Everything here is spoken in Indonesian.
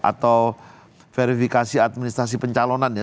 atau verifikasi administrasi pencalonannya